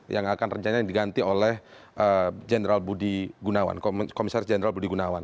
yang akan rencana diganti oleh komisaris jenderal budi gunawan